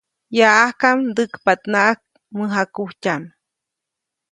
Yaʼajka, ndäkpaʼtnaʼajk mäjakujtyaʼm.